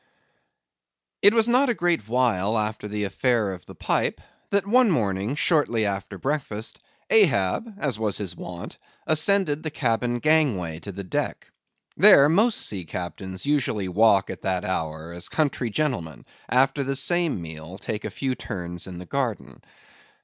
_) It was not a great while after the affair of the pipe, that one morning shortly after breakfast, Ahab, as was his wont, ascended the cabin gangway to the deck. There most sea captains usually walk at that hour, as country gentlemen, after the same meal, take a few turns in the garden.